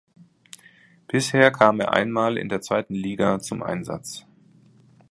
Bisher kam er einmal in der zweiten Liga zum Einsatz.